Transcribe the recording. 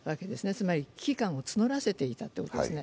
つまり危機感を募らせていたんですね。